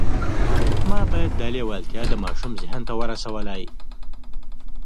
ما باید دا لېوالتیا د ماشوم ذهن ته ورسولای